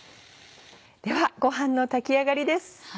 ではごはんの炊き上がりです。